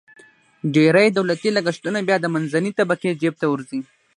ډېری دولتي لګښتونه بیا د منځنۍ طبقې جیب ته ورځي.